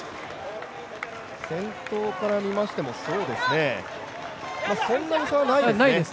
先頭から見ましても、そんなに差はないですね。